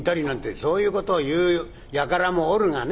「そういうことを言う輩もおるがね。